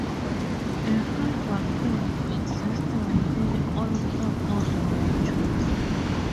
A high vacuum exists within all cathode ray tubes.